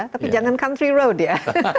tapi jangan country road ya